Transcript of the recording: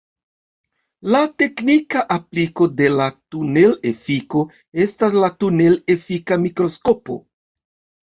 La teknika apliko de la tunel-efiko estas la tunel-efika mikroskopo.